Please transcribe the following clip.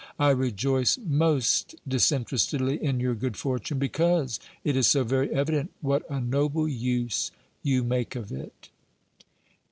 I rejoice most disinterestedly in your good fortune, because it is so very evident what a noble use you make of it.